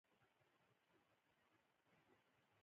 تعلیم د نجونو راتلونکی نسل پیاوړی کوي.